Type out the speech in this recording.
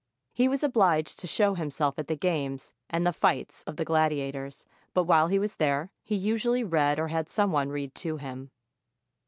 He was obliged to show himself at the games and the fights of the gladia tors; but while he was there, he usually read or had some one read to him.